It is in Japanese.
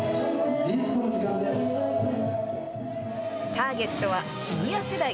ターゲットはシニア世代。